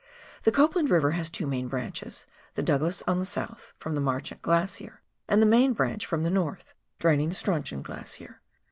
The Copland Eiver has two main branches : the Douglas on the south from the Marchant Glacier, and the main branch from the north, draining the Strauchon Glacier.